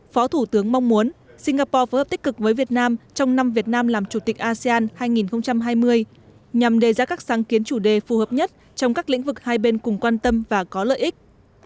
phó thủ tướng mong muốn singapore phối hợp tích cực với việt nam trong năm việt nam làm chủ tịch asean hai nghìn hai mươi nhằm đề ra các sáng kiến chủ đề phù hợp nhất trong các lĩnh vực hai bên cùng quan tâm và có lợi ích